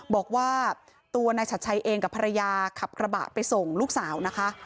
บอกว่าตัวนายชัดชัยเองกับภรรยาขับกระบะไปส่งลูกสาวนะคะ